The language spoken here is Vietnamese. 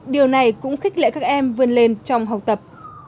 điều này cũng khích lệ các em vươn lên trong học tập